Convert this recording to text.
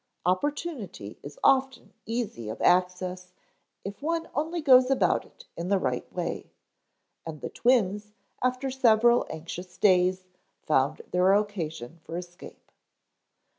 Opportunity is often easy of access if one only goes about it the right way. And the twins after several anxious days found their occasion for escape.